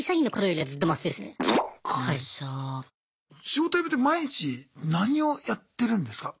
仕事辞めて毎日何をやってるんですか？